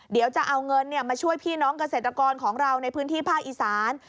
เดี๋ยวจะเอาเงินมาช่วยพี่น้องเกษตรกรของเราในพื้นที่ภาคอีสาน